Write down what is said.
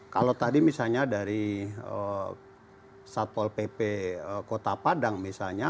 kalau tadi misalnya dari satpol pp kota padang misalnya